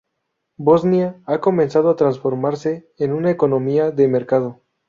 Bosnia ha comenzado a transformarse en una economía de mercado.